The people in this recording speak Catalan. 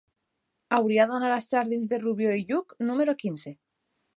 Hauria d'anar als jardins de Rubió i Lluch número quinze.